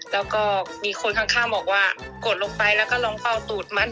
แล้วก็มีคนข้างบอกว่ากดลงไปแล้วก็ลองเป้าตูดมัด